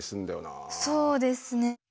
ああそうですね。